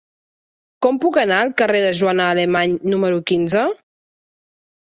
Com puc anar al carrer de Joana Alemany número quinze?